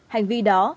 hành vi đó